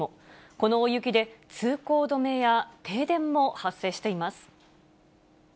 この大雪で通行止めや停電も発生しています。